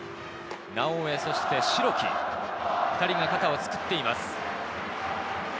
直江、そして代木、２人が肩をつくっています。